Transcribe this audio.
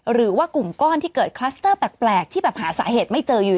หรือว่ากลุ่มก้อนที่เกิดคลัสเตอร์แปลกที่แบบหาสาเหตุไม่เจออยู่